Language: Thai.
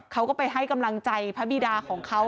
เขาก็ไปให้กำลังใจพระบีดาของเขา